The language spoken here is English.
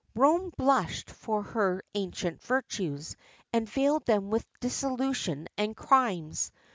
Rome blushed for her ancient virtues, and veiled them with dissolution and crimes.